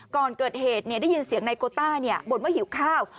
ก่อนเกิดเหตุได้ยินเสียงนายโกต้าบ่นว่าหิวข้าว